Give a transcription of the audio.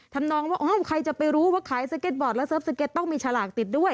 ทำนองว่าอ้าวใครจะไปรู้ว่าขายสเก็ตบอร์ดแล้วเสิร์ฟสเก็ตต้องมีฉลากติดด้วย